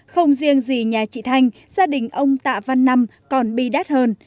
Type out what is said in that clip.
không riêng gì nhà chị thanh gia đình ông tạ văn năm còn bi đét hơn